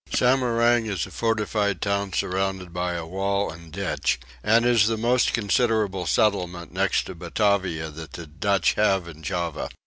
Samarang is a fortified town surrounded by a wall and ditch, and is the most considerable settlement next to Batavia that the Dutch have in Java.